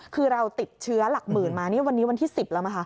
คือเราติดเชื้อหลักหมื่นมานี่วันนี้วันที่๑๐แล้วนะคะ